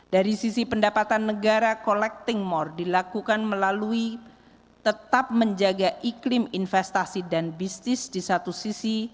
dari sisi pendapatan negara collecting more dilakukan melalui tetap menjaga iklim investasi dan bisnis di satu sisi